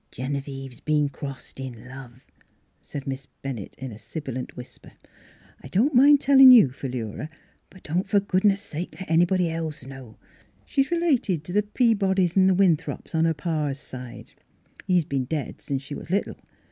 *• Genevieve's been crossed in love," said Miss Bennett in a sibilant whisper. " I don't mind tellin' you, Philura ; but don't for goodness' sake let anybody else know. She's related t' the Peabcdys an' th' Win throps on her pa's side. He's been dead since she was little.